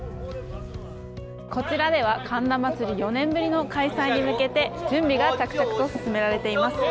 こちらでは神田祭４年ぶりの開催に向けて準備が着々と進められています。